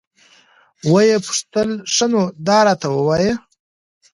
ويې پوښتل ښه نو دا راته ووايه.